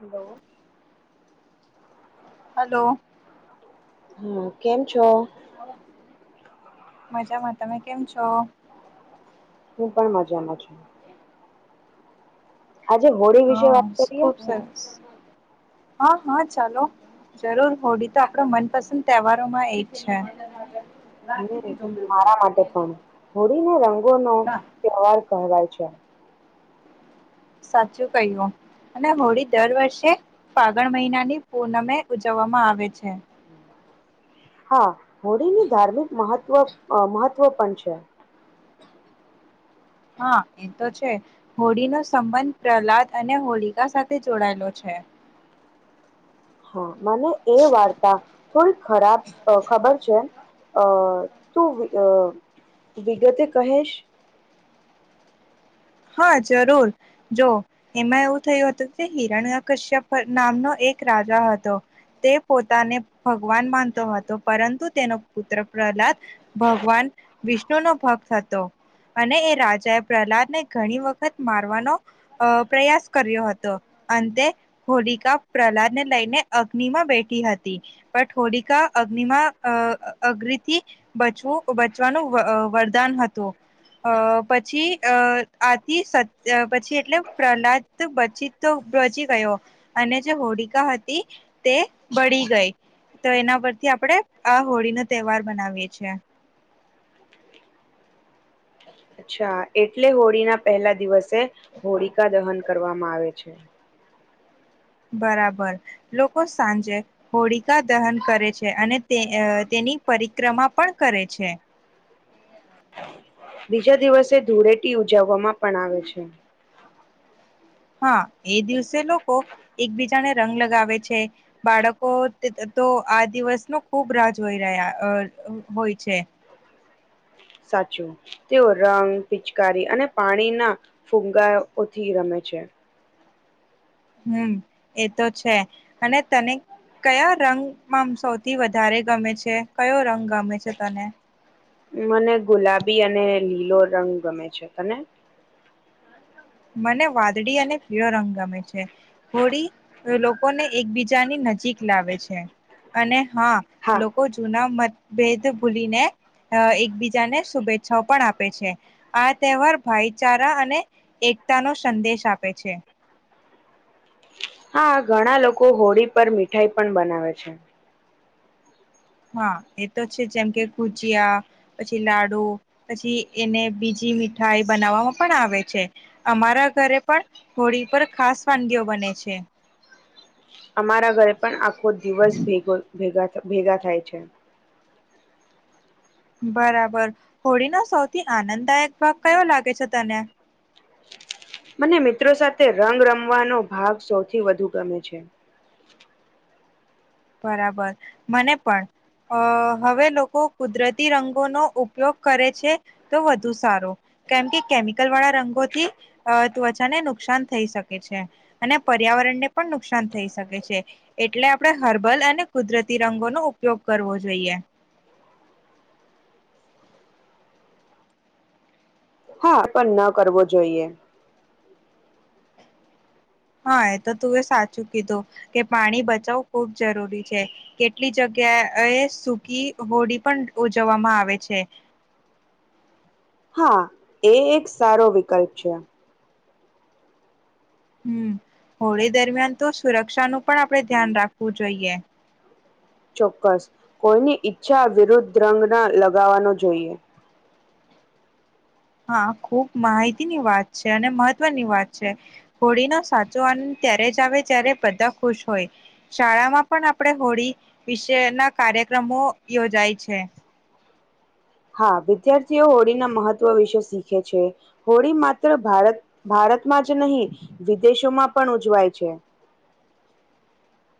Hello. [inaudible] Hello. હ કેમ છો? મજામાં તમે કેમ છો? હું પણ મજામાં છું. આજે હોળી વિશે હા વાત કરીએ? ખુબ સરસ. હા હા ચાલો જરૂર હોડી તો આપડ મનપસંદ તહેવારોમાં એ હમ મારા માટે પણ. હોળીને રંગોનો તહેવાર કહેવાય છે. સાચું કહ્યું. અને હોળી દર વર્ષે, ફાગણ મહિનાની પૂનમે ઉજવવામાં આવે છે. હા, હોળીની ધાર્મિક મહત્વ મહત્વ પણ છે. હા એ તો છે, હોળીનો સંબંધ પ્રહલાદ અને હોળિકા સાથે જોડાયેલો છે. છે. હા મને એ વાર્તા થોડી ખરાબ ખબર છે. અ તું વિગતે કહેશ. હા જરૂર, જો એમાં એવું થયું હતું કે હિરણકશ્ય નામનો એક રાજા હતો. તે પોતાને ભગવાન માનતો હતો પરંતુ તેનો પુત્ર પ્રહલાદ ભગવાન વિષ્ણુ નો ભક્ત હતો, અને એ રાજા એ પ્રહલાદ ને ઘણી વખત મારવાનો, પ્રયાસ કર્યો હતો અંતે હોલિકા પ્રહલાઉ લઈને અગ્નિમાં બેઠી હતી, પણ હોોલિકા અગ્નિમાં અગથી બચવું બચવાનું વરદાન હતું, અ પછી અ આથી સત પછી એટલે પ્રહલાદ બચી તો બચી ગયો, અને જે હોળી કાલિકા હતી તે બળી ગઈ. તો એના પરથી આપડે આ હોળી નો તહેવાર બનાવીય છેએ. અચ્છા એટલે હોળીના પહેલા દિવસે, હોળિકા દહન કરવામાં આવે છે. બરાબર, લોકો સાંજે હોળિકા દહન કરે છે અને તે તેની ની પરિક્રમા પણ કરે છે. [inaudible] બીજા દિવસે ધૂળેટી ઉજવવામાં પણ આવે છે. હા એ દિવસે લોકો એકબીજાને રંગ લગાવે છે બાળકો. તો આ દિવસ ન ખુબ રાહ જોઈ રહ્યા હોય છે. સાચું તેઓ રંગ પિચકારી અને પાણીના ફુગાઓથી રમે છે. છે. હમ એતો છે અને તને. કયા રંગમાં સૌથી વધારે ગમે છે કયો રંગ ગમે છે તને. મને ગુલાબી અને લીલો રંગ ગમે છે તને. મને વાદળી અને પીળો રંગ ગમે છે હોળી. લોકોને એકબીજાની નજીક લાવે છે. અને હા લોકો જૂના મતભેદ ભૂલીને. અ એકબીજા ને શુભેચ્છા. છ પણ આપે છે આ તહેવાર ભાઈચારા અને એક, [unintelligible] તા નો સંદેશ આપે છે. [unintelligible] હા ઘણા લોકો હોળી પર મીઠાઈ પણ બનાવે છે. હા એ તો છે જેમ કે કુજીિયા પછી લાડુ પછી એને બીજી. મીઠાઈ બનાવામાં પણ આવે છે અમારા ઘરે પણ હોળી પર ખાસ વાનગીઓ બને. છે [inaudible] હ [inaudible] અમારા ઘરે પણ આખો દિવસ ભેગા થાય છે. બરાબર હોળીનો સૌથી આનંદદાયક ભાગ કયો લાગે છે તને. મને મિત્રો સાથે રંગ રમવાનો ભાગ સૌથી વધુ ગમે છે. બરાબર મને પણ. અ હવે લોકો કુદરતી રંગોનો ઉપયોગ કરે છે તો વધુ સારો. કેમ કે કેમિકલ વાળા રંગોથી ત્વચાને નુકસાન થઈ શકે છે અને પર્યાવરણ. વાતવરણ ને પણ નુકસાન થઈ શકે છે એટલે આપડ. હર્બલ અને કુદરતી રંગોનો ઉપયોગ કરવો જોઈએ. હા પણ ન કરવો જોઈએ. હા એ તો તું એ સાચું કીધું કે પાણી બચાવવું ખુબ જરૂરી છે કેટલી જગ્યા. ત એ સૂકી હોડી પણ ઉજવવામાં આવે છે. હરા. હા એ એક સારો વિકલ્પ છે. હમ હોળી દરમિયાન તો સુરક્ષાનુંું પણ આપણે ધ્યાન રાખવું જોઈએ. ચોક્કસ કોઈની ઈચ્છા વિરુદ્ધ રંગના લગાવવાનો જોઈએ. હા ખુબ માહિતીની વાત છે અને મહત્વની વાત છે હોળીનો સાચો આ. ત્યારે જ આવે ત્યારે બધા ખુશ હોય શાળામાં પણ આપણે હોળી વિશેના કાર્ય. કાર્યક્રમો યોજાય છે. હ. હા વિદ્યાર્થીઓ હોળીના મહત્વ વિશે શીખે છે હોળી માત્ર ભારત. ભારતમાં જ નહીં વિદેશોમાં પણ ઉજવાય છે.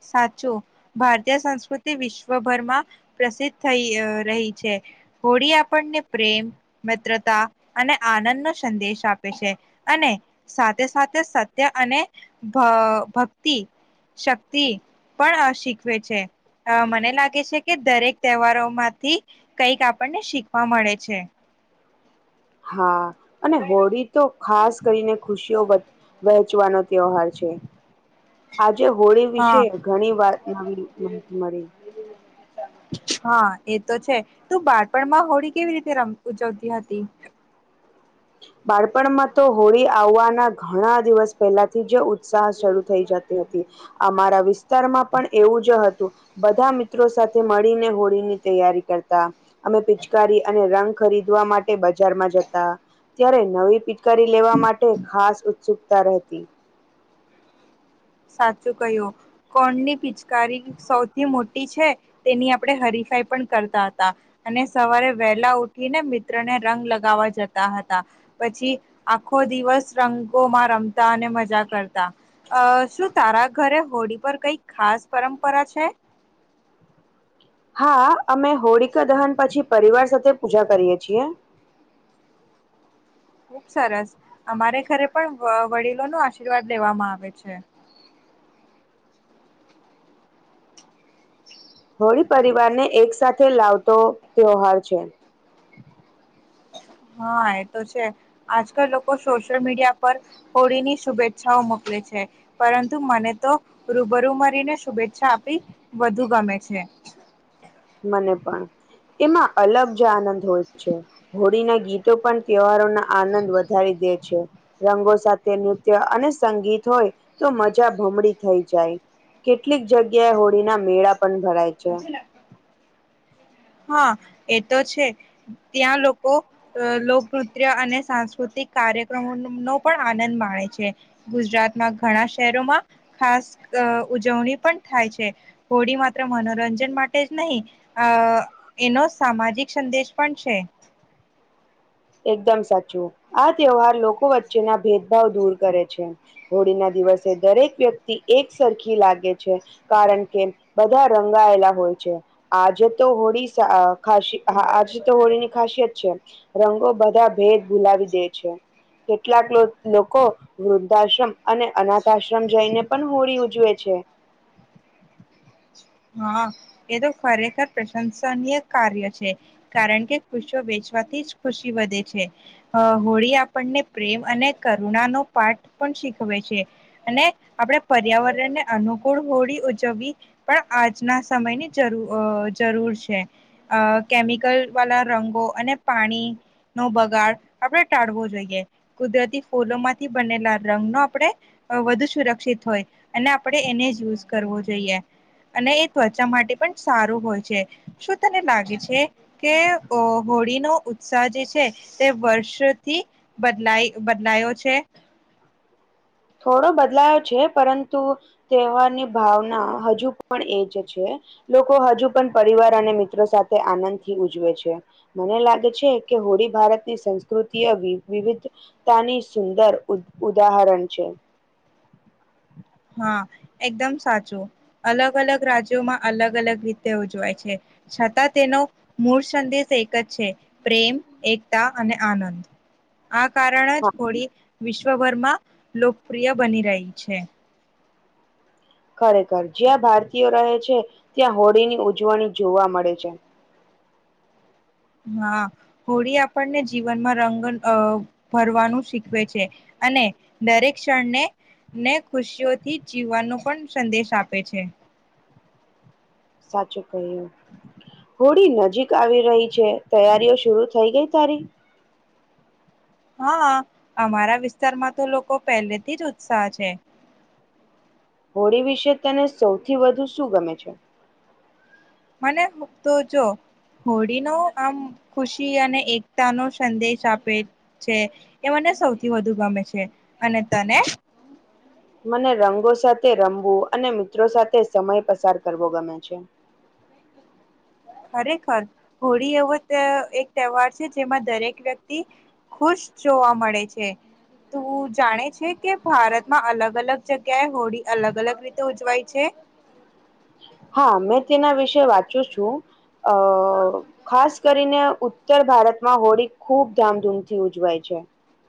સાચું ભારતીય સંસ્કૃતિ વિશ્વભરમાં પ્રસિદ્ધ થઈ રહી છે. હોળી આપણને પ્રેમ મિત્રતા અને આનંદ નો સંદેશ આપે છે. અને સાથે સાથે સત્ય અને ભક્તિ. પણ શીખવે છે મને લાગે છે કે દરેક. તહેવારો માંથી કઈક આપણને શીખવા મળે છે. હા અને હોળી તો ખાસ કરીને ખુશીઓ વહેચવાનો. તાર છે આજ. આજે હોળી હા વિશે ઘણી વાત નવી માહિતી મળી. હા એ તો છે તું બાળપણમાં હોળી કેવી રીતેમ ઉજવતી હતી. બાળપણમાં તો હોળી આવવાના ઘણા દિવસ પહેલાથી જે. ઉત્સાહ શરૂ થઈ, જતી, હતી અમારા વિસ્તારમાં પણ એવું જ હતુ બધા મિત્રો સાથે મળીને હોળીની, તૈયારી કરતા અમે પિચકારી અને રંગ ખરી ખરીદવા માટે બજારમા, જતા ત્યારે, નવી પિટકારી લેવા માટે ખાસ ઉત્સુકતા રહેતી. સાચું કહ્યું કોણની પિચકારી સૌથી મોટી છે, તેની આપડે હરીફ ાઈ પણ કરતા હતા, અને સવારે વહેલા ઉઠી ને મિત્ર ને રંગ લગાવવા જતા હતા પછી આખો દિવસ રંગોમાં રમતા અને મજા કરતા અ શું તારા ઘરે હોળી, પર કઈ ખાસ પરંપરા છે. હા, અમે હોળકાા દહન પછી પરિવાર સાથે પૂજા કરીએ છીએ. ખુબ સરસ અમારે ઘરે પણ વડીલો નો આશીર્વાદ લેવામાં આવે છે. હ હોળી, પરિવારને એક સાથે લાવતો ત્યોહાર છે. હા, એ તો છે, આજકાલ લોકો સોશિયલ મીડિયા પર હોળી ની શુભેચ્છાઓ મક પરંતુ, મને તો રૂબરૂુ મરીને શુભેચ્છા, આપી વધુ ગમે છે. હ મને પણ એમાં અલગ જ આનંદ હોય છે, હોળીના ગીતો પણ તહેવારો ના આનંદ વધારી રંગો સાથે નૃત્ય અને સંગીત હોય તો મજા ભમડી થઈ, જાય કેટલીક જગ્યાએ હોળીના, મેળા પણ ભરાય છે. હા એ તો છે, ત્યાં લોકો લોકનૃત્ય અને સાંસ્કૃતિક કાર્યક્રમો નો પણ આનંદ માણે છે, ગુજરાતમાં ઘણા શહેરોમાં ખાસ અ ઉજવણી પણ થાય છે, હોડી માત્ર મનોરંજન માટે જ નહીં, અ એનો સામાજિક સંદેશ પણ છે. એકદમ સાચું આ તહેવાર લોકો વચ્ચેના ભેદભાવ દૂર કરે છે, હોળીના દિવસે દરેક વ્યક્તિ એક સરખી લાગે છે, કારણ કે બધા રંગાયેલા હોય. આજે તો હોળી, આજે તો હોળી ની ખાસિયત છે. રંગો બધા ભેદ ભૂલાવી દે છે. કેટલાક લોકો વૃદ્ધાશ્રમ, અને અનાથ આશ્રમ જઈને પણ હોળી ઉજવે છે. [unintelligible] [inaudible] હા, એ તો ખરેખર પ્રશંસનીય કાર્ય છે, કારણ કે ખુશો વેચી. થી ખુશી વધે છે, હોળી આપણને પ્રેમ અને કરુણા નો પાઠ પણ શીખવે છે, અને આપણેે પર્યાવરણ ને અનુકૂળ હોળી ઉજવવી પણ આજના સમયની જરૂ જરૂર છે, કેમિકલ વાલા રંગો, અને પાણી નો બગાડ આપડે ટાળવો જોઈએ, કુદરતી ફૂલોમાંથી બનેલા રંગ નો આપણે વધુ સુરક્ષિત હોય. અને આપણેે, એને જ યુઝ કરવો જોઈએ. અને એ ત્વચા માટે પણ સારું હોય છે, શું તને લાગે છે, કે હોળીનો ઉત્સાહ જે છે, તે વર્ષથી બદલાય બદલાયો છે. હુ થોડો બદલાયો છે, પરંતુ તહેવારની ભાવના હજુ પણ એજ છે. લોકો હજુ પણ પરિવાર અને મિત્રો સાથે આનંદથી ઉજવે છે, મને લાગે છે. કે ભારતની સંસ્કૃતિ, વિવિધતાની સુંદર ઉદાહરણ છે. હા એકદમ સાચું અલગ -અલગ રાજ્યોમાં અલગ અલગ રીતે ઉજવાય છે. છતાં તેનો મૂળ સંદેશ એક જ છે, પ્રેમ એકતા અને આનંદ હું આ કારણ જ હોળી વિશ્વભરમાં લોકપ્રિય બની રહી છે. ખરેખર જ્યાં ભારતીયો રહે છે, ત્યાં હોળીની ઉજવણી જોવા મળે છે. હા હોળી આપણને જીવનમાં રંગ ભર શીખવે છે, અને દરેક ક્ષણને. ને ખુશીઓથી જીવવાનો પણ સંદેશ આપે છે. સાચું કહ્યું. હોડી નજીક આવી રહી છે, તૈયારીઓ શરુ થઈ ગઈ તારી હા અમારા વિસ્તારમાં તો લોકો પહેલેથી જ ઉત્સાહ છે. હોળી વિશે તને સૌથી વધુ શું ગમે છે. મને તો જો. હોળી નો આમ ખુશી અને એકતા નો સંદેશ આપે છે, એ મને ને સૌથી વધુ ગમે છે, અને તને [unintelligible] [inaudible] મને રંગો સાથે રમવું અને મિત્રો સાથે સમય પસાર કરવો ગમે છે. હું. ખરેખર હોળી એવો એક તહેવાર છે, જેમાં દરેક વ્યક્તિ ખુશ જોવા મળે છે. તું જાણે છે, કે ભારતમાં અલગ -અલગ જગ્યાએ હોડી અલગ અલગ રીતે ઉજવાય છે. હા મેં તેના વિશે વાંચું છું. અ ખાસ કરીને ઉત્તર ભારતમાં હોળી ખૂબ ધામધૂમથી ઉજવાય છે. [unintelligible] [inaudible]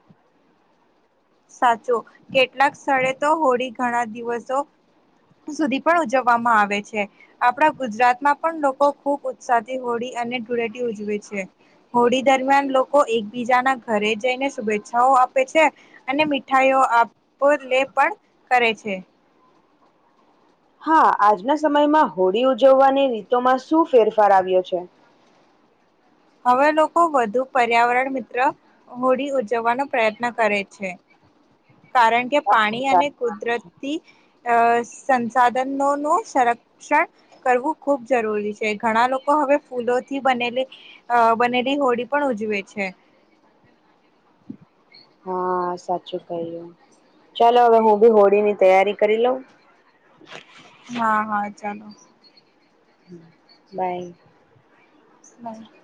સાચો કેટલાક સ્થળે તો હોળી ઘણા દિવસો સુધી પણ ઉજવવામાં આવે છે, આપણા ગુજરાતમાં પણ લોકો ખુબ ઉત્સાહથી હોળી અને ધૂળેટી ઉજવે છે, હોળી દરમિયાન લોકો એકબીજાના ઘરે જઈને શુભેચ્છાઓ આપે છે, અને મીઠાઈઓ આપ -લે પણ કરે છે. [unintelligible] [inaudible] હા આજના સમયમાં હોળી ઉજવવાની રીતોમાં શું ફેરફાર આવ્યો છે [inaudible] હવે લોકો વધુ પર્યાવરણ મિત્ર હોળી ઉજવવાનો પ્રયત્ન કરે છે કારણ કે પાણી અને કુદરતી અ સંસાધનોનુંું સંરક્ષણ કરવું ખૂબ જરૂરી છે ઘણા લોકો હવે ફૂલો થી બનેલી બનેલી હોડી પણ ઉજવે છે [inaudible] હા સાચું કહ્યું ચાલો હવે હું બી હોળીની તૈયારી કરી લઉં હા હા ચાલો બાય. બાય.